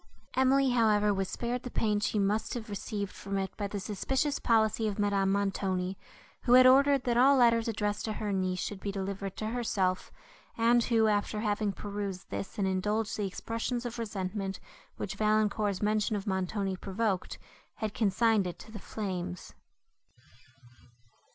Emily, however, was spared the pain she must have received from it by the suspicious policy of Madame Montoni, who had ordered, that all letters, addressed to her niece, should be delivered to herself, and who, after having perused this and indulged the expressions of resentment, which Valancourt's mention of Montoni provoked, had consigned it to the flames.